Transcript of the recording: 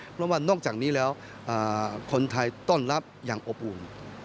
เพราะว่านอกจากนี้แล้วคนไทยต้อนรับอย่างอบอุ่น